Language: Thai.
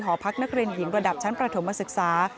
หอพักนักเรียนหญิงระดับชั้นประถมศึกษา